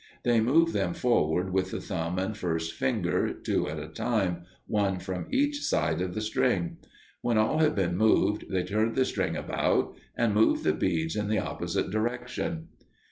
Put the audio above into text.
They move them forward with the thumb and first finger, two at a time, one from each side of the string. When all have been moved, they turn the string about and move the beads in the opposite direction.